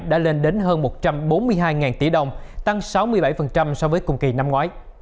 đã lên đến hơn một trăm bốn mươi hai tỷ đồng tăng sáu mươi bảy so với cùng kỳ năm ngoái